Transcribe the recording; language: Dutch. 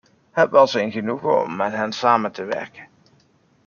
Het was een genoegen om met hen samen te werken.